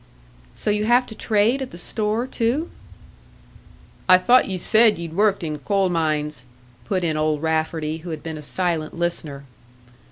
"So you have to trade at the store, too!" "I thought ye said ye'd worked in coal mines," put in Old Rafferty, who had been a silent listener.